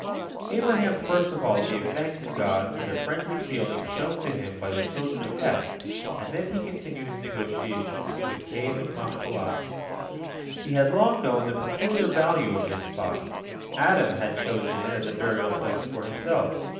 " Abraham first of all gave thanks to God for the friendly feeling shown to him by the children of Heth, and then he continued his negotiations for the Cave of Machpelah. He had long known the peculiar value of this spot. Adam had chosen it as a burial place for himself.